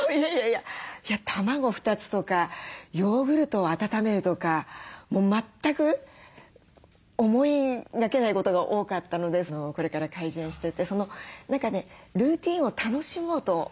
卵２つとかヨーグルトを温めるとか全く思いがけないことが多かったのでこれから改善してってルーティンを楽しもうと思います。